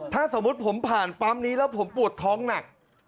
ถ้าสมมุติผมผ่านปั๊มนี้แล้วผมปวดท้องหนัก